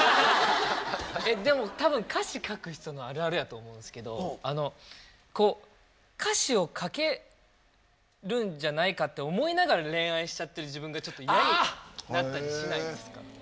でも多分歌詞書く人のあるあるやと思うんですけど歌詞を書けるんじゃないかって思いながら恋愛しちゃってる自分がちょっと嫌になったりしないですか？